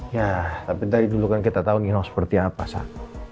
ya tapi dari dulu kan kita tahu nginong seperti apa sah